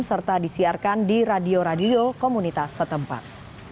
serta disiarkan di radio radio komunitas setempat